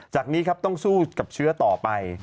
จากนี้ครับต้องสู้กับเชื้อต่อไป